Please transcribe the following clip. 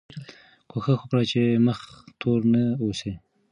کوښښ وکړئ چې مخ تور نه اوسئ.